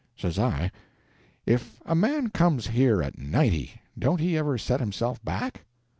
Says I, "If a man comes here at ninety, don't he ever set himself back?"